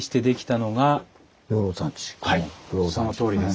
はいそのとおりです。